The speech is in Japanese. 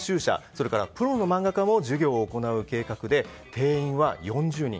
それからプロの漫画家も授業を行う計画で定員は４０人。